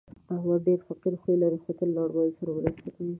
احمد ډېر فقیر خوی لري، تل له اړمنو سره مرسته کوي.